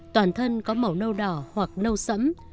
toàn thân có màu nâu đỏ hoặc nâu sẫm